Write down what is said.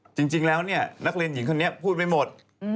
จริงแล้วนักเรียนหญิงคนนี้พูดไปหมด